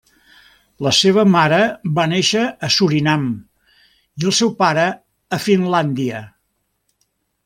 La seva mare va néixer a Surinam i el seu pare a Finlàndia.